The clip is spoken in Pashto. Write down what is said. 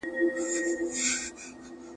په بشپړه بې تفاوتي ..